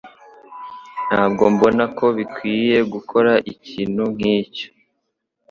Ntabwo mbona ko bikwiye gukora ikintu nkicyo.